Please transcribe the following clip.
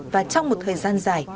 và trong một thời gian dài